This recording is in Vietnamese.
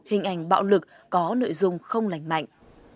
hình ảnh bạo lực có nội dung không lành mạnh